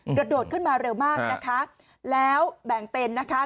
กระโดดขึ้นมาเร็วมากนะคะแล้วแบ่งเป็นนะคะ